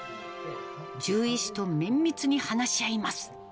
獣医師と綿密に話し合います。